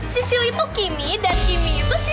sisil itu kimi dan kimi itu sisil